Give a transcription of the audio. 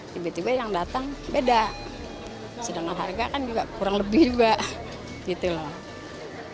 tiba tiba yang datang beda sedangkan harga kan juga kurang lebih juga gitu loh